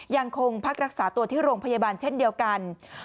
ยังคงพักรักษาตัวที่โรงพยาบาลเช่นเดียวกัน